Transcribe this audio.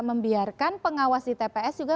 membiarkan pengawas di tps juga